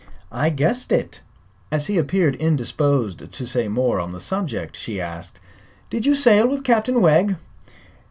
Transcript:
"I guessed it." As he appeared indisposed to say more on the subject she asked: "Did you sail with Captain Wegg?"